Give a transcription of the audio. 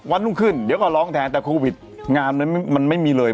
วันรุ่งขึ้นเดี๋ยวก็ร้องแทนแต่โควิดงานนั้นมันไม่มีเลย